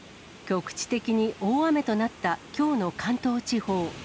局地的に大雨となったきょうの関東地方。